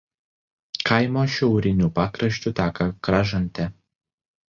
Kaimo šiauriniu pakraščiu teka Kražantė.